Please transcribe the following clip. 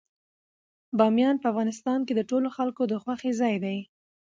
بامیان په افغانستان کې د ټولو خلکو د خوښې ځای دی.